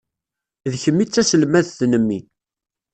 D kemm i d taselmadt n mmi.